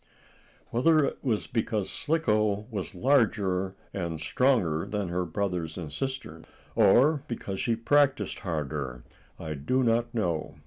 Whether it was because Slicko was larger and stronger than her brothers and sister, or because she practiced harder, I do not know.